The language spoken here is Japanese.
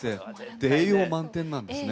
栄養満点なんですね。